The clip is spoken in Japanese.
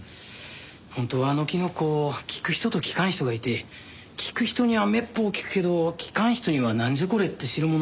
本当はあのキノコ効く人と効かん人がいて効く人にはめっぽう効くけど効かん人にはなんじゃこれ？って代物なんです。